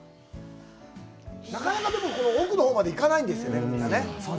なかなか奥のほうまで行かないですね、みんなね。